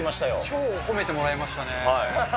超褒めてもらいましたね。